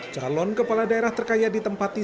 calon kepala daerah terkaya ditempati